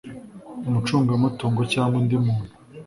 umucungamutungo cyangwa undi muntu